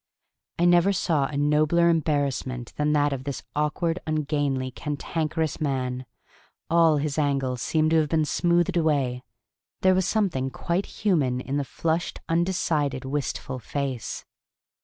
I never saw a nobler embarrassment than that of this awkward, ungainly, cantankerous man: all his angles seemed to have been smoothed away: there was something quite human in the flushed, undecided, wistful face.